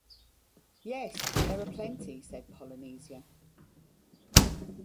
“Yes, there are plenty,” said Polynesia.